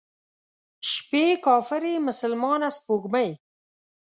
شپې کافرې، مسلمانه سپوږمۍ،